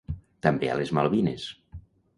També a les Malvines.